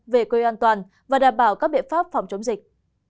về quê an toàn và đảm bảo các biện pháp phòng chống dịch